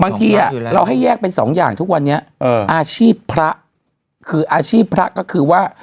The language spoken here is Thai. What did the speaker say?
บางทีเราให้แยกเป็นสองอย่างทุกวันนี้อาชีพพระคืออาชีพพระก็คือว่า